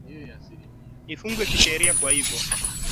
ifunge kisheria kwa hivyo una unahiari ya kutekeleza kuto